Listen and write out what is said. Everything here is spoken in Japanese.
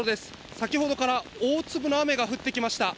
先ほどから大粒の雨が降ってきました。